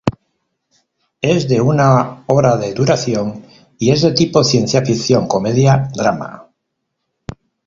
Es de una hora de duración, y es de tipo ciencia ficción, comedia, drama.